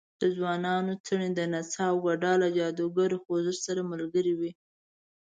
د ځوانانو څڼې د نڅا او ګډا له جادوګر خوځښت سره ملګرې وې.